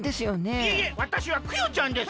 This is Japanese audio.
いえいえわたしはクヨちゃんです！